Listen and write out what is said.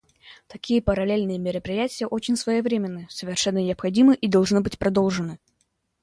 Такие параллельные мероприятия очень своевременны, совершенно необходимы и должны быть продолжены.